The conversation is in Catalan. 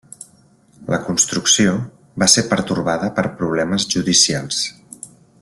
La construcció va ser pertorbada per problemes judicials.